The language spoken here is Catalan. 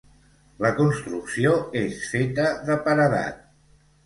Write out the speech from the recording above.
La construcció és feta de paredat.